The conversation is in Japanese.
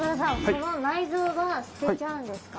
この内臓は捨てちゃうんですか？